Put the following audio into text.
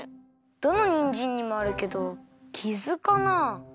どのにんじんにもあるけどキズかなあ？